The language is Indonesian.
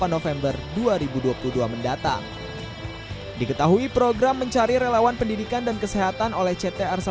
november dua ribu dua puluh dua mendatang diketahui program mencari relawan pendidikan dan kesehatan oleh ct arsa